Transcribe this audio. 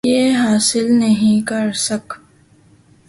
ی حاصل نہیں کر سک